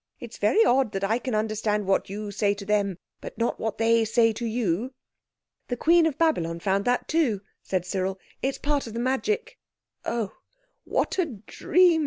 "It's very odd I can understand what you say to them, but not what they say to you." "The Queen of Babylon found that too," said Cyril; "it's part of the magic." "Oh, what a dream!"